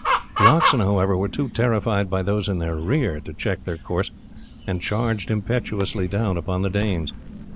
The oxen, however, were too terrified by those in their rear to check their course, and charged impetuously down upon the Danes.